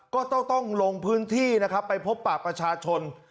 ก็ต้องลงพื้นที่นะครับไปพบปากประชาชน